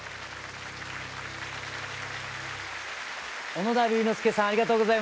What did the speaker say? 小野田龍之介さんありがとうございました。